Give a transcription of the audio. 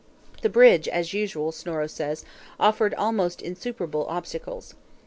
The Bridge, as usual, Snorro says, offered almost insuperable obstacles.